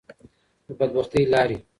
د بدبختی لارې.